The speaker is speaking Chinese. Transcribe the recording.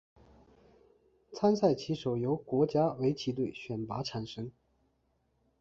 参赛棋手由国家围棋队选拔产生。